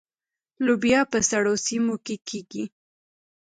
لوبیا په سړو سیمو کې کیږي.